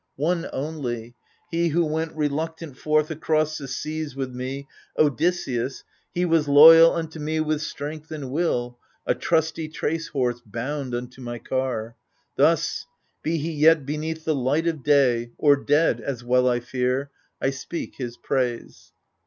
One only — he who went reluctant forth Across the seas with me — Odysseus — he Was loyal unto me with strength and will, A trusty trace horse bound unto my car. Thus — be he yet beneath the light of day, Or dead, as well I fear — I speak his praise.